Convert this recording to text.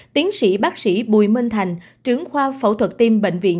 tiến sĩ bác sĩ bùi minh thành trưởng khoa phẫu thuật tim bệnh viện